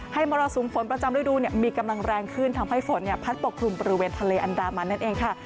มรสุมฝนประจำฤดูมีกำลังแรงขึ้นทำให้ฝนพัดปกคลุมบริเวณทะเลอันดามันนั่นเองค่ะ